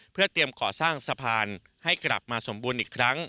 เพื่อเตรียมก่อสร้างสะพานให้กลับมาสมบูรณ์อีกครั้ง